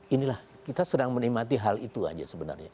inilah kita sedang menikmati hal itu aja sebenarnya